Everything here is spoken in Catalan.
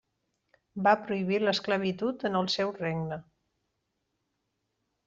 Va prohibir l'esclavitud en el seu regne.